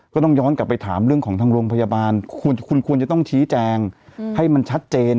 ก็ต้องย้อนกลับไปถามเรื่องของทางโรงพยาบาลคุณควรจะต้องชี้แจงให้มันชัดเจน